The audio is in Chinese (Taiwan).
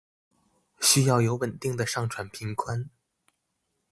需要有穩定的上傳頻寬